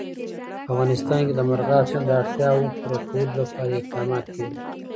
په افغانستان کې د مورغاب سیند د اړتیاوو پوره کولو لپاره اقدامات کېږي.